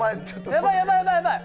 やばいやばいやばいやばい！